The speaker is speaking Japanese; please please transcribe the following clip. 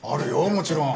もちろん。